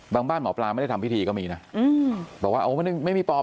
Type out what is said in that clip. บ้านหมอปลาไม่ได้ทำพิธีก็มีนะบอกว่าโอ้มันไม่มีปลอม